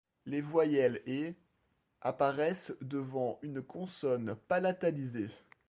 Les voyelles et apparaissent devant une consonne palatalisée.